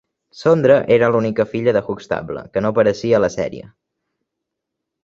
Sondra era l'única filla de Huxtable que no apareixia a la sèrie.